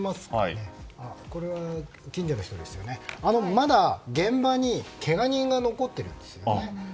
まだ現場にけが人が残ってるんですよね。